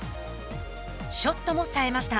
ショットもさえました。